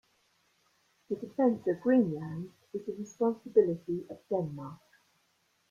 The defence of Greenland is the responsibility of Denmark.